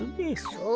そう。